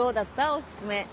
おすすめ。